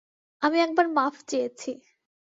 আমি একবার মাফ চেয়েছি।